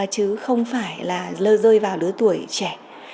chứ không phải là rơi vào lứa tuổi trẻ